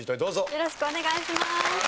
よろしくお願いします。